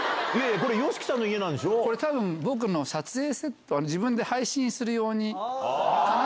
これ僕の撮影セット、自分で配信するように。